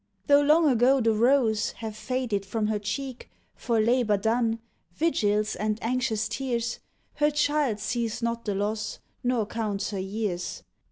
Tho long ago the rose Have faded from her cheek, for labor done, Vigils, and anxious tears, Her child sees not the loss, nor counts her years.